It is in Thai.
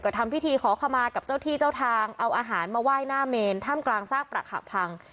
ทำพิธีขอขมากับเจ้าที่เจ้าทางเอาอาหารมาไหว้หน้าเมนถ้ำกลางซากปรักหักพัง